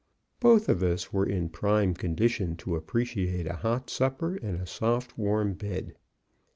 Both of us were in prime condition to appreciate a hot supper and a soft, warm bed.